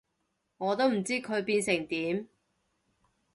我都唔知佢變成點